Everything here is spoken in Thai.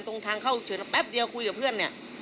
ตรงทางเข้าเฉินแป๊บเดียวคุยกับเพื่อนเนี่ย